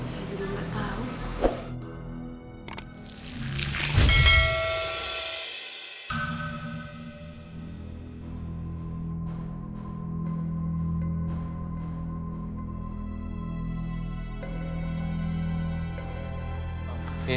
saya juga gak tau